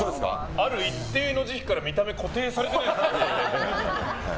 ある一定の時期から見た目、固定されていないですか。